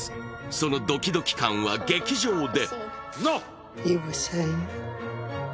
そのドキドキ感は劇場で。